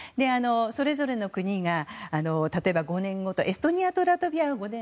それぞれの国が例えば、５年ごとエストニアとラトビアはですね。